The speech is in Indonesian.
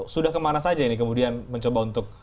sudah kemana saja ini kemudian mencoba untuk